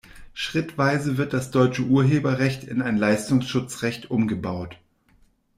Schrittweise wird das deutsche Urheberrecht in ein Leistungsschutzrecht umgebaut.